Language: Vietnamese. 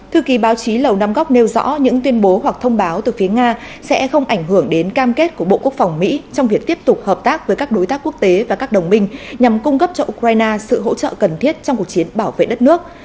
thư ký báo chí lầu nam góc nêu rõ những tuyên bố hoặc thông báo từ phía nga sẽ không ảnh hưởng đến cam kết của bộ quốc phòng mỹ trong việc tiếp tục hợp tác với các đối tác quốc tế và các đồng minh nhằm cung cấp cho ukraine sự hỗ trợ cần thiết trong cuộc chiến bảo vệ đất nước